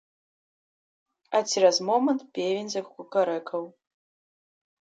А цераз момант певень закукарэкаў.